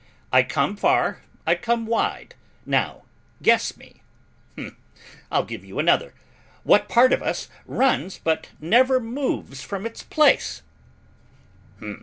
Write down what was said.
I come far, I come wide, now guess me! I'll give you another. What part of us runs but never moves from its place?